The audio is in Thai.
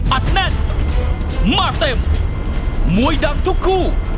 อัดแน่นมาเต็มมวยดังทุกคู่